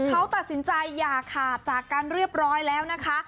เขาตัดสินใจอย่าขาดจากกันเรียบร้อยแล้วนะคะ